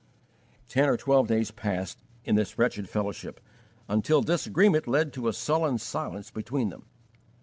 Ten or twelve days passed in this wretched fellowship, until disagreement led to a sullen silence between them.